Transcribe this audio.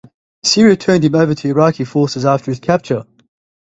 Syria turned him over to Iraqi forces after his capture.